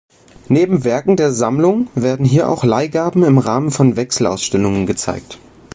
Neben Werken der Sammlung werden hier auch Leihgaben im Rahmen von Wechselausstellungen gezeigt.